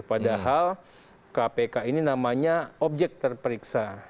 padahal kpk ini namanya objek terperiksa